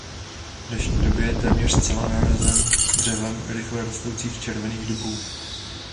V dnešní době je téměř zcela nahrazen dřevem rychle rostoucích červených dubů.